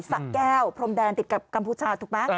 สะแก้วพรมแดนติดกับกัมพูชาถูกไหม